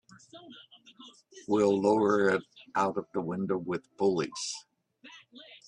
We'll lower it out of the window with pulleys.